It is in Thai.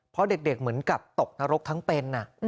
เพราะเด็กเหมือนกับตกนรกทั้งเป็น